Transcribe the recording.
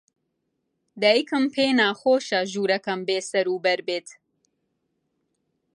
دایکم پێی ناخۆشە ژوورەکەم بێسەروبەر بێت.